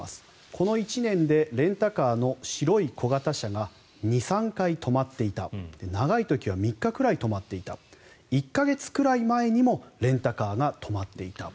この１年でレンタカーの白い小型車が２３回止まっていた長い時は３日くらい止まっていた１か月くらい前にもレンタカーが止まっていた。